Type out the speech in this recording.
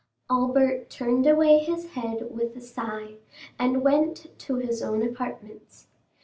Albert turned away his head with a sigh, and went to his own apartments.